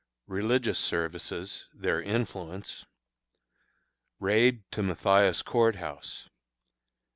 Religious Services; their Influence. Raid to Mathias Court House.